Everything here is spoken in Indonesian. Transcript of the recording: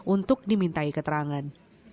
untuk dimintai keterangan